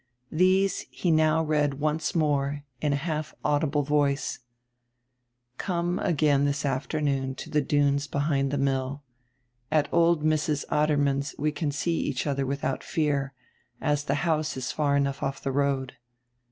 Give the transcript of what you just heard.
These he now read once nrore in a half audible voice: "Come again this afternoon to die dunes behind die mill. At old Mrs. Adermann's we can see each other without fear, as tire house is far enough off the road.